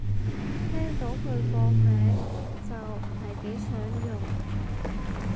聽到佢個名就唔係幾想用